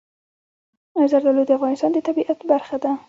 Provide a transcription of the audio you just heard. زردالو د افغانستان د طبیعت برخه ده.